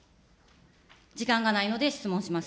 時間がないので質問します。